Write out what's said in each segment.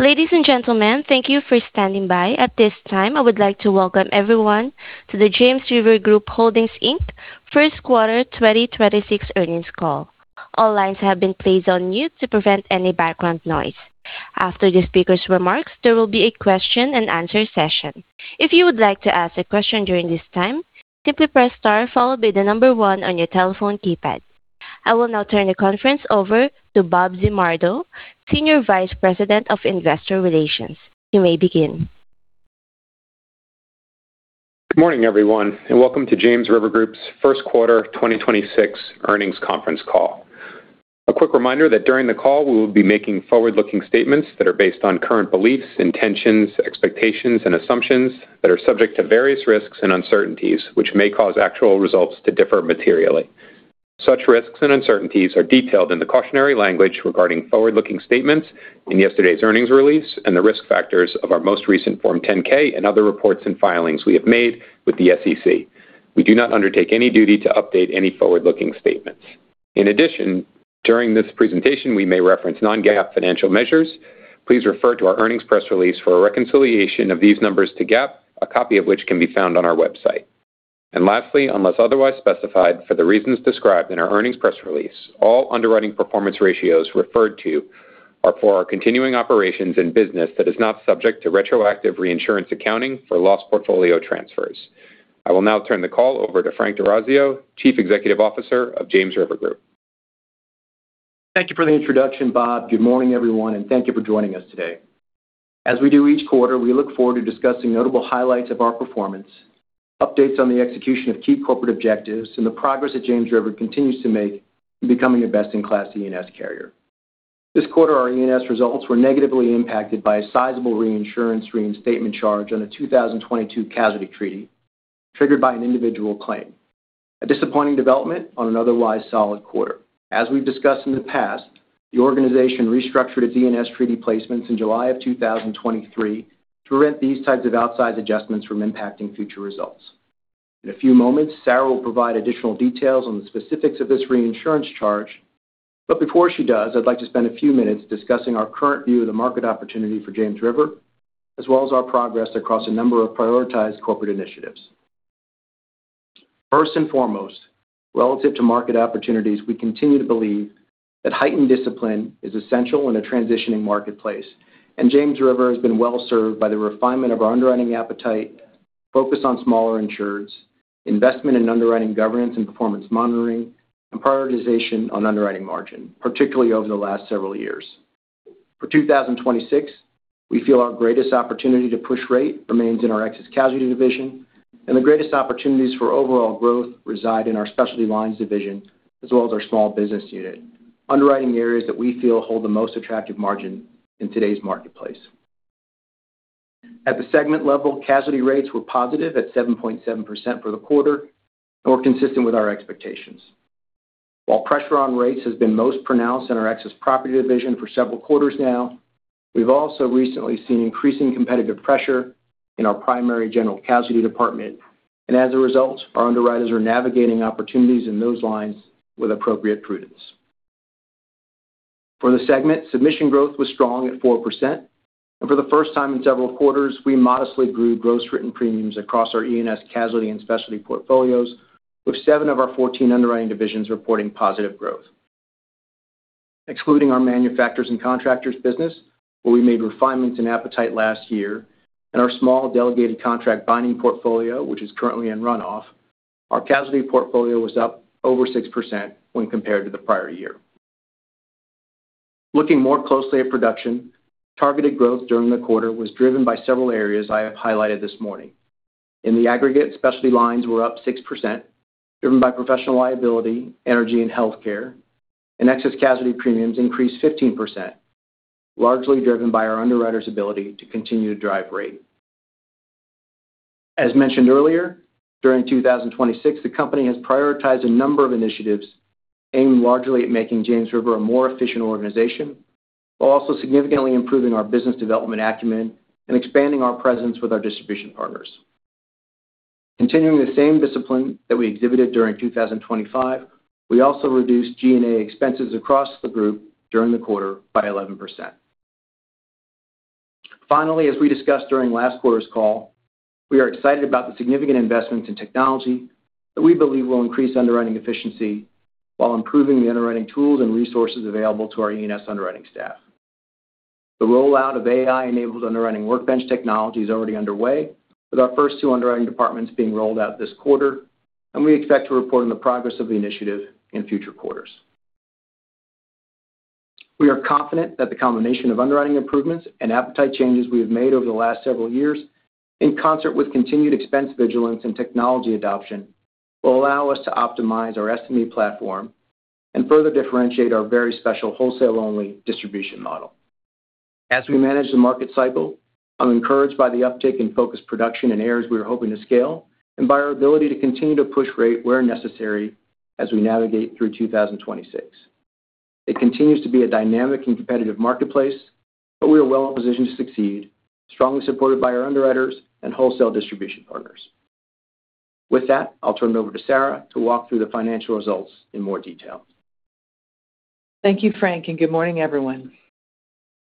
Ladies and gentlemen, thank you for standing by. At this time, I would like to welcome everyone to the James River Group Holdings, Inc first quarter 2026 earnings call. All lines have been placed on mute to prevent any background noise. After the speaker's remarks, there will be a question-and-answer session. If you would like to ask a question during this time, simply press star followed by the number one on your telephone keypad. I will now turn the conference over to Bob Zimardo, Senior Vice President of Investor Relations. You may begin. Good morning, everyone, and welcome to James River Group's first quarter 2026 earnings conference call. A quick reminder that during the call, we will be making forward-looking statements that are based on current beliefs, intentions, expectations, and assumptions that are subject to various risks and uncertainties, which may cause actual results to differ materially. Such risks and uncertainties are detailed in the cautionary language regarding forward-looking statements in yesterday's earnings release and the risk factors of our most recent Form 10-K and other reports and filings we have made with the SEC. We do not undertake any duty to update any forward-looking statements. In addition, during this presentation, we may reference non-GAAP financial measures. Please refer to our earnings press release for a reconciliation of these numbers to GAAP, a copy of which can be found on our website. Lastly, unless otherwise specified, for the reasons described in our earnings press release, all underwriting performance ratios referred to are for our continuing operations in business that is not subject to retroactive reinsurance accounting for lost portfolio transfers. I will now turn the call over to Frank D'Orazio, Chief Executive Officer of James River Group. Thank you for the introduction, Bob. Good morning, everyone, and thank you for joining us today. As we do each quarter, we look forward to discussing notable highlights of our performance, updates on the execution of key corporate objectives, and the progress that James River continues to make in becoming a best-in-class E&S carrier. This quarter, our E&S results were negatively impacted by a sizable reinsurance reinstatement charge on a 2022 casualty treaty triggered by an individual claim. A disappointing development on an otherwise solid quarter. As we've discussed in the past, the organization restructured its E&S treaty placements in July of 2023 to prevent these types of outsized adjustments from impacting future results. In a few moments, Sarah will provide additional details on the specifics of this reinsurance charge. Before she does, I'd like to spend a few minutes discussing our current view of the market opportunity for James River, as well as our progress across a number of prioritized corporate initiatives. First and foremost, relative to market opportunities, we continue to believe that heightened discipline is essential in a transitioning marketplace. James River has been well-served by the refinement of our underwriting appetite, focus on smaller insureds, investment in underwriting governance and performance monitoring, and prioritization on underwriting margin, particularly over the last several years. For 2026, we feel our greatest opportunity to push rate remains in our excess casualty division, and the greatest opportunities for overall growth reside in our specialty lines division as well as our small business unit. Underwriting areas that we feel hold the most attractive margin in today's marketplace. At the segment level, casualty rates were positive at 7.7% for the quarter or consistent with our expectations. While pressure on rates has been most pronounced in our excess property division for several quarters now, we've also recently seen increasing competitive pressure in our primary general casualty department. As a result, our underwriters are navigating opportunities in those lines with appropriate prudence. For the segment, submission growth was strong at 4%, for the first time in several quarters, we modestly grew gross written premiums across our E&S casualty and specialty portfolios, with seven of our 14 underwriting divisions reporting positive growth. Excluding our manufacturers' and contractors' business, where we made refinements in appetite last year, and our small delegated contract binding portfolio, which is currently in runoff, our casualty portfolio was up over 6% when compared to the prior year. Looking more closely at production, targeted growth during the quarter was driven by several areas I have highlighted this morning. In the aggregate, specialty lines were up 6%, driven by professional liability, energy, and health care, and excess casualty premiums increased 15%, largely driven by our underwriters' ability to continue to drive rate. As mentioned earlier, during 2026, the company has prioritized a number of initiatives aimed largely at making James River a more efficient organization, while also significantly improving our business development acumen and expanding our presence with our distribution partners. Continuing the same discipline that we exhibited during 2025, we also reduced G&A expenses across the group during the quarter by 11%. Finally, as we discussed during last quarter's call, we are excited about the significant investments in technology that we believe will increase underwriting efficiency while improving the underwriting tools and resources available to our E&S underwriting staff. The rollout of AI-enabled underwriting workbench technology is already underway, with our first two underwriting departments being rolled out this quarter, and we expect to report on the progress of the initiative in future quarters. We are confident that the combination of underwriting improvements and appetite changes we have made over the last several years, in concert with continued expense vigilance and technology adoption, will allow us to optimize our SME platform and further differentiate our very special wholesale-only distribution model. As we manage the market cycle, I'm encouraged by the uptick in focused production in areas we are hoping to scale and by our ability to continue to push rate where necessary as we navigate through 2026. It continues to be a dynamic and competitive marketplace, but we are well positioned to succeed, strongly supported by our underwriters and wholesale distribution partners. With that, I'll turn it over to Sarah to walk through the financial results in more detail. Thank you, Frank. Good morning, everyone.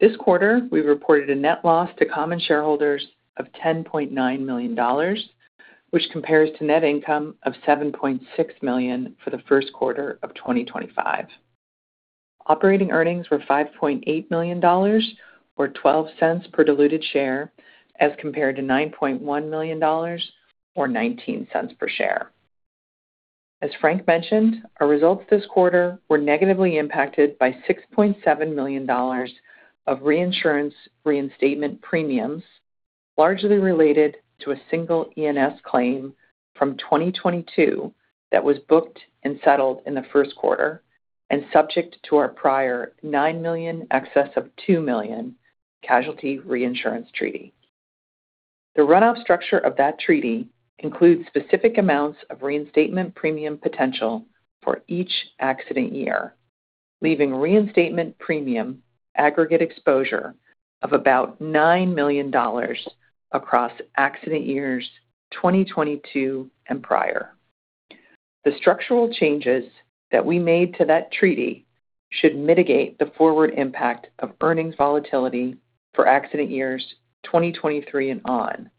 This quarter, we reported a net loss to common shareholders of $10.9 million, which compares to net income of $7.6 million for the first quarter of 2025. Operating earnings were $5.8 million or $0.12/diluted share as compared to $9.1 million or $0.19/share. As Frank mentioned, our results this quarter were negatively impacted by $6.7 million of reinsurance reinstatement premiums, largely related to a single E&S claim from 2022 that was booked and settled in the first quarter and subject to our prior $9 million excess of $2 million casualty reinsurance treaty. The runoff structure of that treaty includes specific amounts of reinstatement premium potential for each accident year, leaving reinstatement premium aggregate exposure of about $9 million across accident years 2022 and prior. The structural changes that we made to that treaty should mitigate the forward impact of earnings volatility for accident years 2023 and on,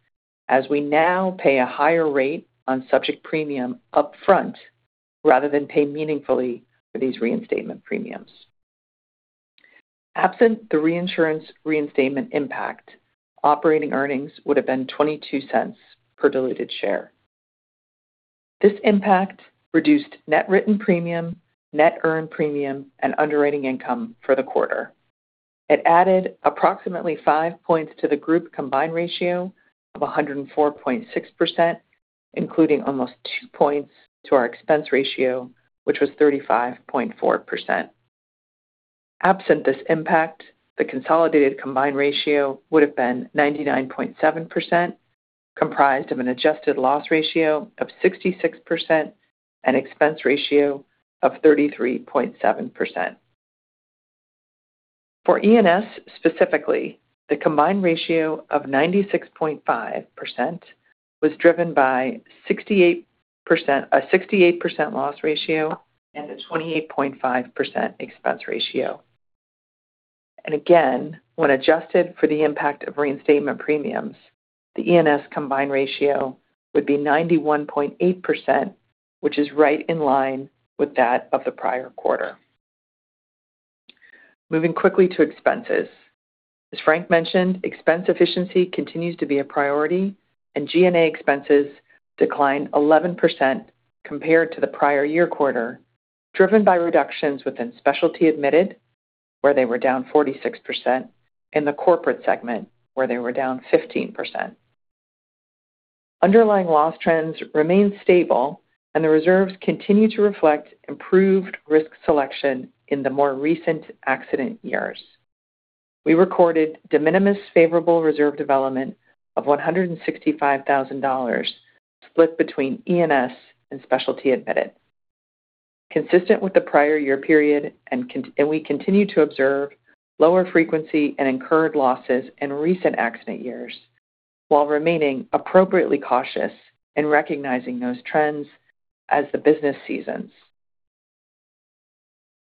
as we now pay a higher rate on subject premium upfront rather than pay meaningfully for these reinstatement premiums. Absent the reinsurance reinstatement impact, operating earnings would have been $0.22/diluted share. This impact reduced net written premium, net earned premium, and underwriting income for the quarter. It added approximately five points to the group combined ratio of 104.6%, including almost two points to our expense ratio, which was 35.4%. Absent this impact, the consolidated combined ratio would have been 99.7%, comprised of an adjusted loss ratio of 66% and expense ratio of 33.7%. For E&S specifically, the combined ratio of 96.5% was driven by 68%, a 68% loss ratio and a 28.5% expense ratio. Again, when adjusted for the impact of reinstatement premiums, the E&S combined ratio would be 91.8%, which is right in line with that of the prior quarter. Moving quickly to expenses. As Frank mentioned, expense efficiency continues to be a priority, and G&A expenses declined 11% compared to the prior year quarter, driven by reductions within Specialty Admitted, where they were down 46%, in the corporate segment, where they were down 15%. Underlying loss trends remain stable. The reserves continue to reflect improved risk selection in the more recent accident years. We recorded de minimis favorable reserve development of $165,000 split between E&S and Specialty Admitted. Consistent with the prior year period, we continue to observe lower frequency and incurred losses in recent accident years while remaining appropriately cautious in recognizing those trends as the business seasons.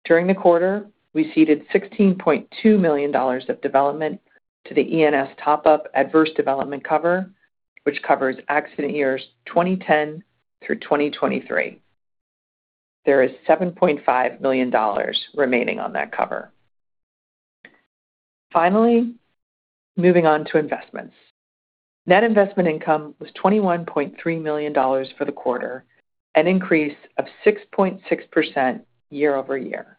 During the quarter, we ceded $16.2 million of development to the E&S top-up adverse development cover, which covers accident years 2010 through 2023. There is $7.5 million remaining on that cover. Finally, moving on to investments. Net investment income was $21.3 million for the quarter, an increase of 6.6% year-over-year.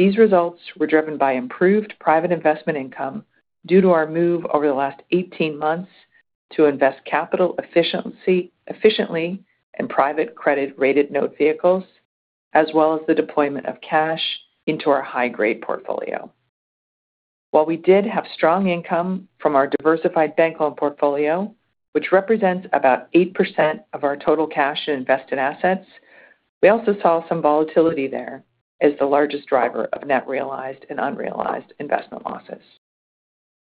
These results were driven by improved private investment income due to our move over the last 18 months to invest capital efficiency, efficiently in private credit-rated note vehicles, as well as the deployment of cash into our high-grade portfolio. While we did have strong income from our diversified bank loan portfolio, which represents about 8% of our total cash and invested assets, we also saw some volatility there as the largest driver of net realized and unrealized investment losses.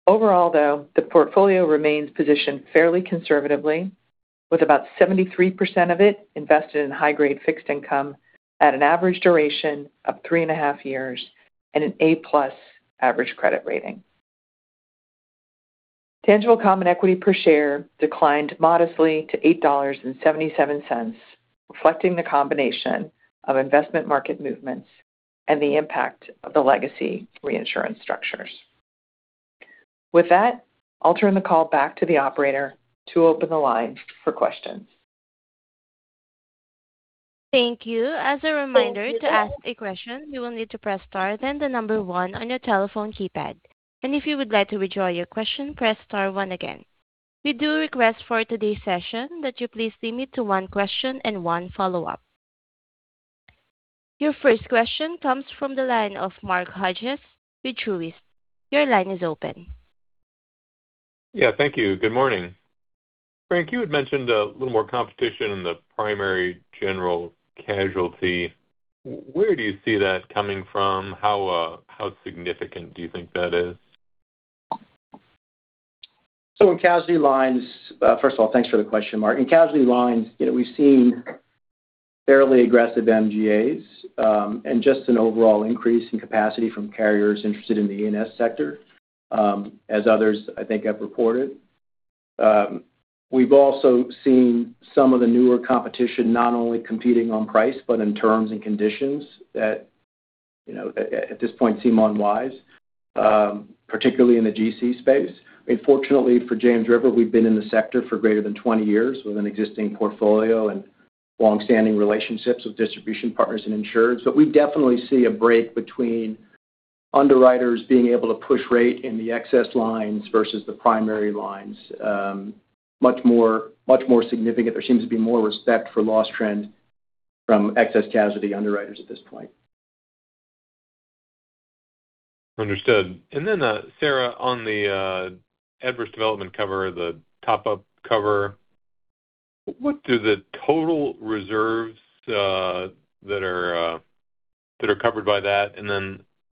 Overall, though, the portfolio remains positioned fairly conservatively, with about 73% of it invested in high-grade fixed income at an average duration of 3.5 years and an A-plus average credit rating. Tangible common equity per share declined modestly to $8.77, reflecting the combination of investment market movements and the impact of the legacy reinsurance structures. With that, I'll turn the call back to the operator to open the line for questions. Thank you. As a reminder, to ask a question, you will need to press star then the number one on your telephone keypad. If you would like to withdraw your question, press star one again. We do request for today's session that you please limit to 1 question and 1 follow-up. Your first question comes from the line of Mark Hughes with Truist. Your line is open. Yeah, thank you. Good morning. Frank, you had mentioned a little more competition in the primary general casualty. Where do you see that coming from? How, how significant do you think that is? In casualty lines, first of all, thanks for the question, Mark. In casualty lines, you know, we've seen fairly aggressive MGAs, and just an overall increase in capacity from carriers interested in the E&S sector, as others, I think, have reported. We've also seen some of the newer competition not only competing on price, but in terms and conditions that, you know, at this point seem unwise, particularly in the GC space. Fortunately for James River, we've been in the sector for greater than 20 years with an existing portfolio and longstanding relationships with distribution partners and insurers. We definitely see a break between underwriters being able to push rate in the excess lines versus the primary lines, much more significant. There seems to be more respect for loss trend from excess casualty underwriters at this point. Understood. Sarah, on the adverse development cover, the top-up cover, what do the total reserves that are covered by that?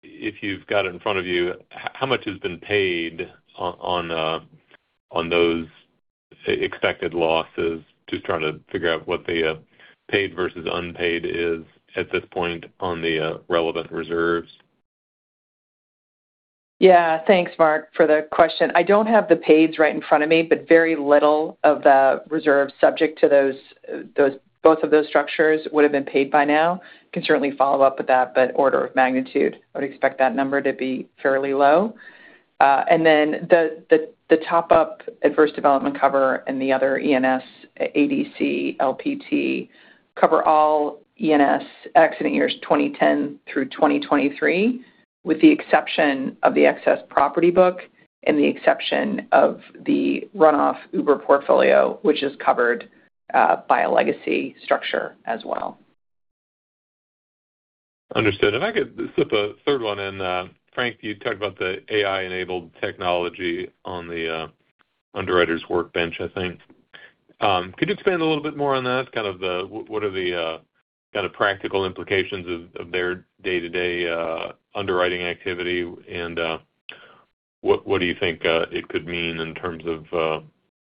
If you've got it in front of you, how much has been paid on those, say, expected losses? Just trying to figure out what the paid versus unpaid is at this point on the relevant reserves. Yeah. Thanks, Mark, for the question. I don't have the paids right in front of me, but very little of the reserve subject to those both of those structures would've been paid by now. Can certainly follow up with that, order of magnitude, I would expect that number to be fairly low. The top-up adverse development cover and the other E&S ADC LPT cover all E&S accident years 2010 through 2023, with the exception of the excess property book and the exception of the runoff Uber portfolio, which is covered by a legacy structure as well. Understood. If I could slip a third one in, Frank, you talked about the AI-enabled technology on the underwriter's workbench, I think. Could you expand a little bit more on that? What are the kind of practical implications of their day-to-day underwriting activity? What do you think it could mean in terms of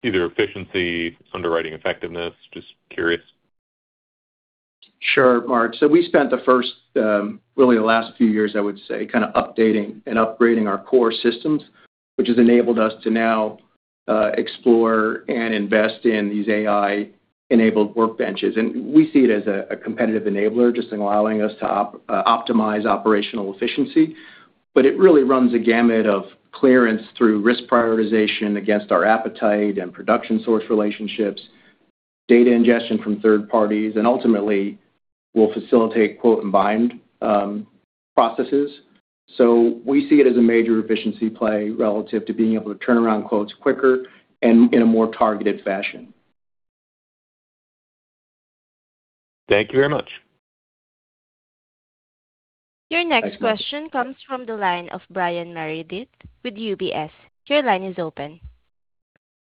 either efficiency, underwriting effectiveness? Just curious. Sure, Mark. We spent the first, really the last few years, I would say, kind of updating and upgrading our core systems, which has enabled us to now explore and invest in these AI-enabled workbenches. We see it as a competitive enabler, just allowing us to optimize operational efficiency. It really runs a gamut of clearance through risk prioritization against our appetite and production source relationships, data ingestion from third parties, and ultimately will facilitate quote and bind processes. We see it as a major efficiency play relative to being able to turn around quotes quicker and in a more targeted fashion. Thank you very much. Your next question comes from the line of Brian Meredith with UBS. Your line is open.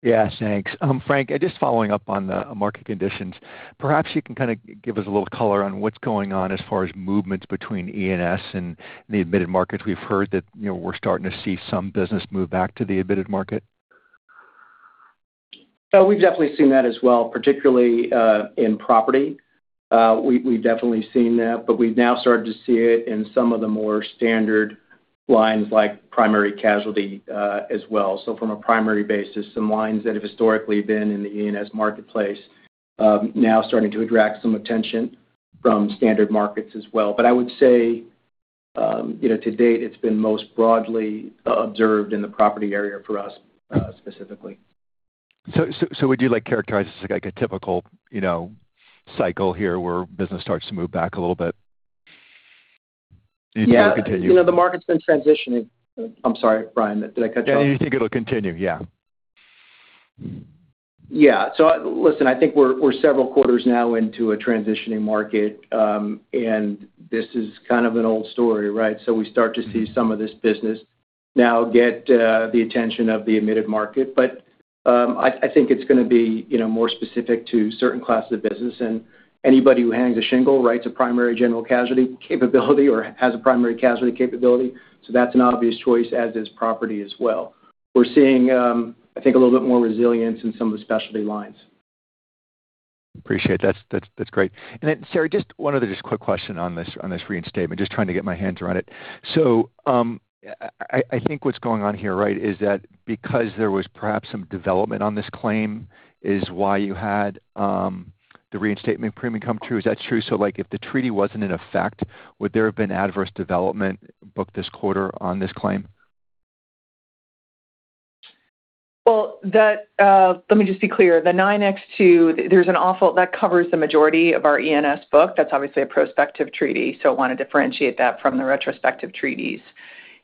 Yeah, thanks. Frank, just following up on the market conditions. Perhaps, you can kinda give us a little color on what's going on as far as movements between E&S and the admitted markets. We've heard that, you know, we're starting to see some business move back to the admitted market. We've definitely seen that as well, particularly in property. We've definitely seen that, but we've now started to see it in some of the more standard lines like primary casualty as well. From a primary basis, some lines that have historically been in the E&S marketplace, now starting to attract some attention from standard markets as well. I would say, you know, to date, it's been most broadly observed in the property area for us specifically. Would you, like, characterize this like a typical, you know, cycle here where business starts to move back a little bit? Do you think it'll continue? Yeah. You know, the market's been transitioning. I'm sorry, Brian, did I cut you off? Yeah. Do you think it'll continue? Yeah. Yeah. Listen, I think we're several quarters now into a transitioning market, and this is kind of an old story, right? We start to see some of this business now get the attention of the admitted market. I think it's gonna be, you know, more specific to certain classes of business. Anybody who hangs a shingle writes a primary general casualty capability or has a primary casualty capability, that's an obvious choice, as is property as well. We're seeing, I think a little bit more resilience in some of the specialty lines. Appreciate that. That's, that's great. Sarah, just one other just quick question on this, on this reinstatement. Just trying to get my hands around it. I think what's going on here, right, is that because there was perhaps some development on this claim is why you had the reinstatement premium come through. Is that true? Like, if the treaty wasn't in effect, would there have been adverse development booked this quarter on this claim? Well, that, let me just be clear. The 9X2 that covers the majority of our E&S book. That's obviously a prospective treaty, I wanna differentiate that from the retrospective treaties.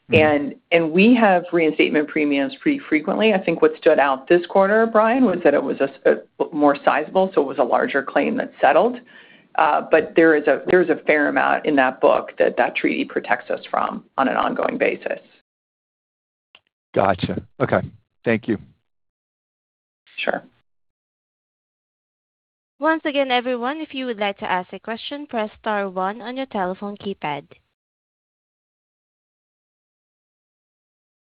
We have reinstatement premiums pretty frequently. I think what stood out this quarter, Brian, was that it was a more sizable, it was a larger claim that settled. There is a fair amount in that book that that treaty protects us from on an ongoing basis. Gotcha. Okay. Thank you. Sure. Once again, everyone, if you would like to ask a question, press star one on your telephone keypad.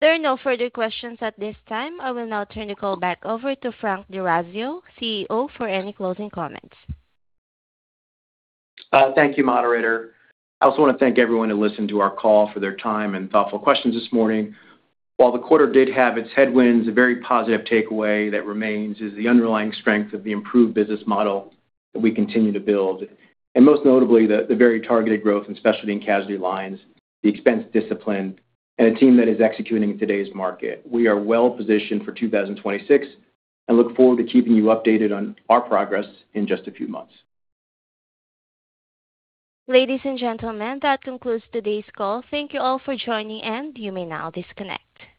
There are no further questions at this time. I will now turn the call back over to Frank D'Orazio, CEO, for any closing comments. Thank you, Moderator. I also wanna thank everyone who listened to our call for their time and thoughtful questions this morning. While the quarter did have its headwinds, a very positive takeaway that remains is the underlying strength of the improved business model that we continue to build, and most notably, the very targeted growth and Specialty in casualty lines, the expense discipline, and a team that is executing in today's market. We are well-positioned for 2026 and look forward to keeping you updated on our progress in just a few months. Ladies and gentlemen, that concludes today's call. Thank you all for joining. You may now disconnect.